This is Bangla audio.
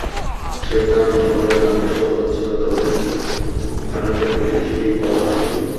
সেখানে সবারই কমবেশি অবদান ছিল, তবে ওপেনারদের ক্ষেত্রে সেটি বলা মুশকিল।